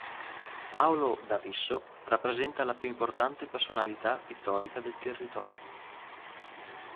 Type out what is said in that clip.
Paolo da Visso rappresenta la più importante personalità pittorica del territorio.